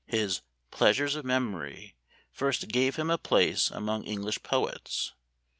His "Pleasures of Memory" first gave him a place among English poets.